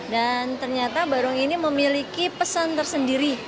dan ternyata barong ini memiliki pesan tersendiri